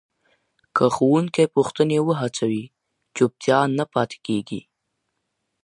که ښوونکی پوښتني وهڅوي، چوپتیا نه پاته کېږي.